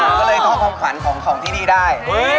ก็เลยเขาคำขวัญของที่นี่ได้